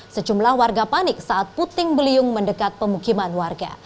sejumlah warga panik saat puting beliung mendekat pemukiman warga